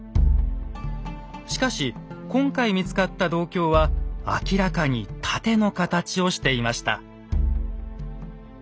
しかし今回見つかった銅鏡は明らかに盾の形をしていました。